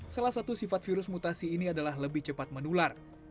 salah satu sifat virus mutasi ini adalah lebih cepat menular